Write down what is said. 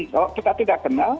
kalau kita tidak kenal